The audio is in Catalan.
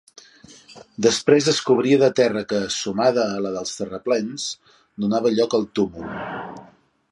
Després es cobria de terra que, sumada a la dels terraplens, donava lloc al túmul.